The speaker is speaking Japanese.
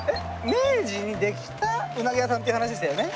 明治にできた鰻屋さんっていう話でしたよね？